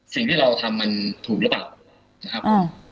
สิ่งที่เราทำมันถูกหรือเปล่านะครับ